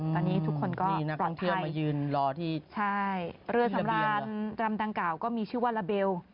ตอนนี้ทุกคนก็ปลอดภัยใช่เรือสำรานรำดังเก่าก็มีชื่อว่าลาเบล